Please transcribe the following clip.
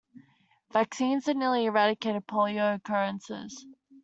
Vaccines have nearly eradicated Polio occurrences.